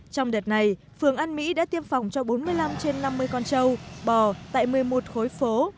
trong đợt này phường an mỹ đã tiêm phòng cho bốn mươi năm trên năm mươi con trâu bò tại một mươi một khối phố